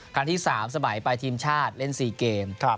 ครั้งที่๓สมัยไปทีมชาติเล่น๔เกม